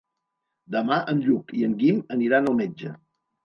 Demà en Lluc i en Guim aniran al metge.